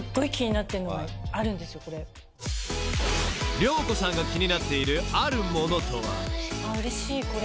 ［涼子さんが気になっているあるものとは］